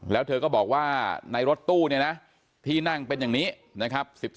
แล้วเธอก็บอกว่าในรถตู้เนี่ยนะที่นั่งเป็นอย่างนี้นะครับ